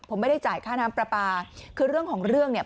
ผมไม่ได้จ่ายค่าน้ำปลาปลาคือเรื่องของเรื่องเนี่ย